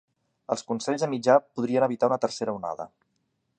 Els consells de Mitjà podrien evitar una tercera onada